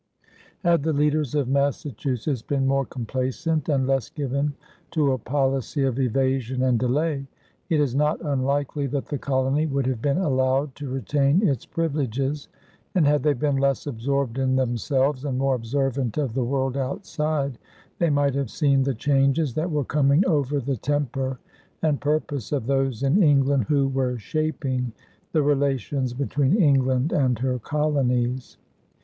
Had the leaders of Massachusetts been more complaisant and less given to a policy of evasion and delay, it is not unlikely that the colony would have been allowed to retain its privileges; and had they been less absorbed in themselves and more observant of the world outside, they might have seen the changes that were coming over the temper and purpose of those in England who were shaping the relations between England and her colonies.